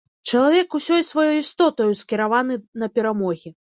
Чалавек усёй сваёй істотаю скіраваны на перамогі.